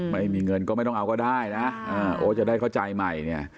ไม่มีเงินก็ไม่ต้องเอาก็ได้นะโอ้จะได้เข้าใจใหม่เนี่ย